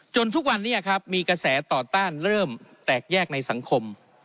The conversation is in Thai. ทุกวันนี้ครับมีกระแสต่อต้านเริ่มแตกแยกในสังคม